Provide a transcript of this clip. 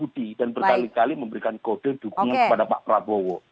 dan berkali kali memberikan kode dukungan kepada pak prabowo